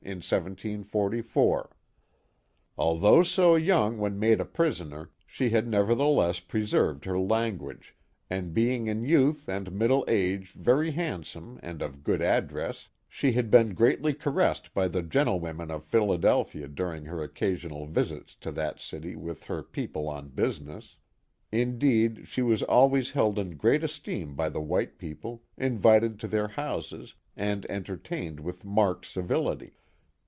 in 1744: Although so young when made a prisoner, she had nevertheless preserved her language; and being in youth and middle age very handsome and of good address, she had been greatly caressed by the gentlewomen of Philadelphia during her occasional visits to that city with her people on business. Indeed she was always held in great esteem by the white people, invited to their houses, and enter tained with marked civility.